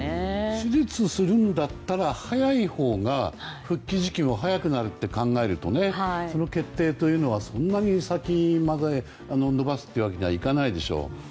手術するんだったら早いほうが復帰時期も早くなると考えるとその決定というのはそんなに先まで延ばすというわけにはいかないでしょう。